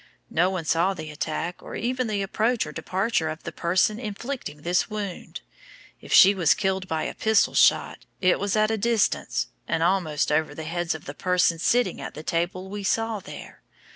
No one saw the attack, or even the approach or departure of the person inflicting this wound. If she was killed by a pistol shot, it was at a distance, and almost over the heads of the persons sitting at the table we saw there.